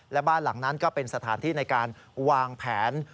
และบ้านหลังนั้นก็เป็นสถานที่ในการวางแผน